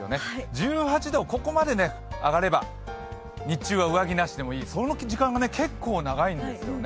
１８度、ここまで上がれば日中は上着なしでもいい、その時間が結構長いんですよね。